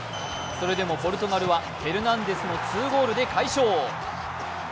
それでもポルトガルはフェルナンデスの２ゴールで快勝。